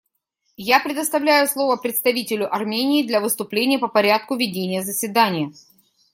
Я предоставляю слово представителю Армении для выступления по порядку ведения заседания.